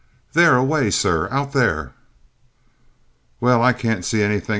"There away, sir; out there!" "Well, I can't see anything!"